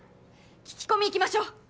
聞き込み行きましょう！